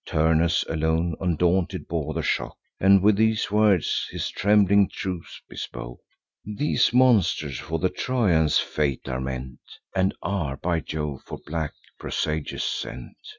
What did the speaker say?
Turnus alone, undaunted, bore the shock, And with these words his trembling troops bespoke: "These monsters for the Trojans' fate are meant, And are by Jove for black presages sent.